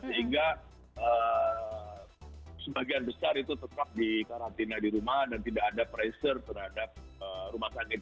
sehingga sebagian besar itu tetap di karantina di rumah dan tidak ada pressure terhadap rumah sakit